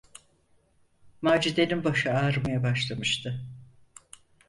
Macide’nin başı ağrımaya başlamıştı.